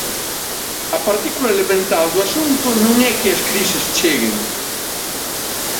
A partícula elemental do asunto non é que as crises cheguen.